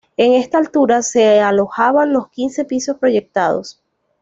En esta altura se alojaban los quince pisos proyectados.